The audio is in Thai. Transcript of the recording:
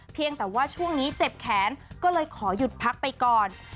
เพียงแต่ว่าช่วงนี้เจ็บแขนก็เลยขอหยุดพักไปก่อน